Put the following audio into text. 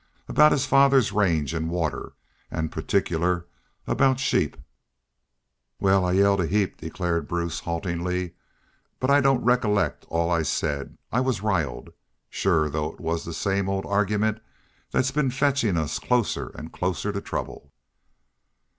Aboot his father's range an' water? An' partickler aboot, sheep?" "Wal I I yelled a heap," declared Bruce, haltingly, "but I don't recollect all I said I was riled.... Shore, though it was the same old argyment thet's been fetchin' us closer an' closer to trouble."